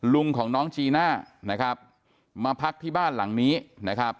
ลุงของน้องจีน่านะครับมาพักที่บ้านหลังนี้นะครับ